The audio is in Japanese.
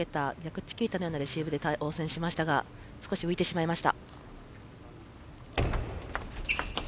チキータのようなレシーブで応戦しましたが少し浮いてしまいました。